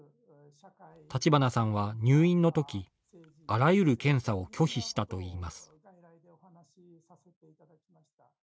立花さんは、入院のときあらゆる検査を拒否したといいます。